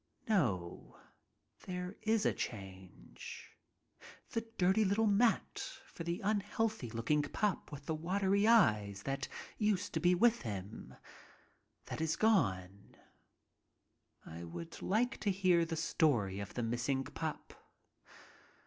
No. There is a change. The dirty little mat for the unhealthy looking pup with the watering eyes that used to be with him — that is gone. I would like to hear the story of the missing pup.